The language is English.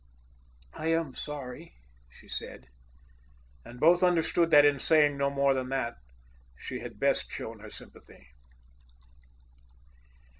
"I am sorry," she said. And both understood that in saying no more than that she had best shown her sympathy.